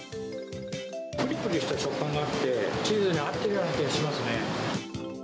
ぷりぷりした食感があって、チーズに合ってるような気がしますね。